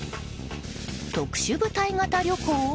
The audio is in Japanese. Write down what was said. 特殊部隊型旅行？